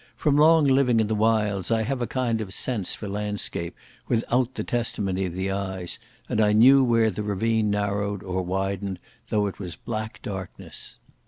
From long living in the wilds I have a kind of sense for landscape without the testimony of the eyes, and I knew where the ravine narrowed or widened though it was black darkness.